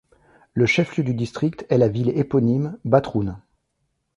Le chef-lieu du district est la ville éponyme, Batroun.